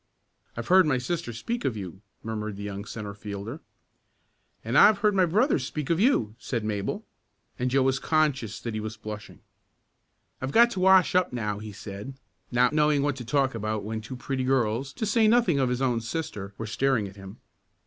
"I've heard my sister speak of you," murmured the young centre fielder. "And I've heard my brother speak of you," said Mabel, and Joe was conscious that he was blushing. "I've got to wash up now," he said, not knowing what to talk about when two pretty girls, to say nothing of his own sister, were staring at him.